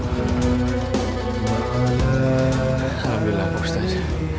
alhamdulillah pak ustadz